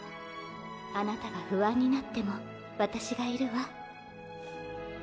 あなたが不安になっても私がいるわ。